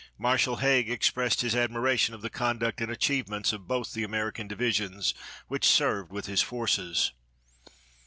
Marshal Haig expressed his admiration of the conduct and achievements of both the American divisions which served with his forces.